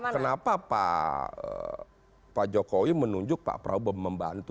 kenapa pak jokowi menunjuk pak prabowo membantu